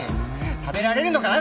食べられるのかな！？